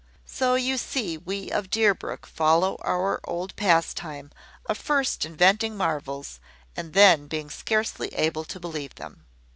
So you see we of Deerbrook follow our old pastime of first inventing marvels, and then being scarcely able to believe them.